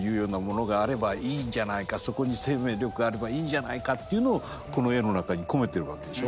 そこに生命力があればいいんじゃないかっていうのをこの絵の中に込めてるわけでしょ。